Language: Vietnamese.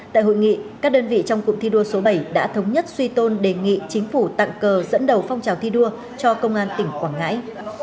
tại hội nghị các đơn vị trong cụm thi đua số bảy đã thống nhất suy tôn đề nghị chính phủ tặng cờ dẫn đầu phong trào thi đua cho công an tỉnh quảng ngãi